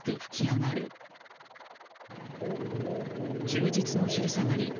休日の昼下がり